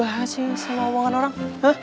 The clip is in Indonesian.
dua puluh lima h sih sama uangan orang